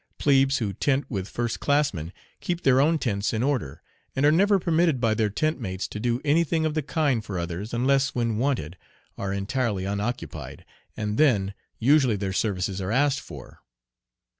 Plebes who tent with first classmen keep their own tents in order, and are never permitted by their tentmates to do any thing of the kind for others unless when wanted, are entirely unoccupied, and then usually their services are asked for.